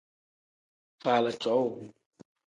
Faala cowuu.